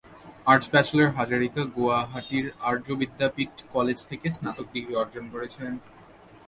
Arts bachelor Hazarika গুয়াহাটির Arya Vidyapeeth college থেকে স্নাতক ডিগ্রি অর্জন করেছিলেন।